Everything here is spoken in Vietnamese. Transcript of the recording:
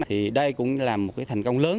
thì đây cũng là một thành công lớn